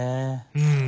うん。